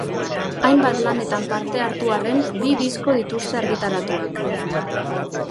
Hainbat lanetan parte hartu arren, bi disko dituzte argitaratuak.